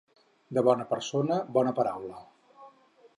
De bona persona, bona paraula.